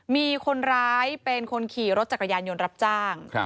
มีคนร้ายเป็นคนขี่รถจักรยานยนต์รับจ้าง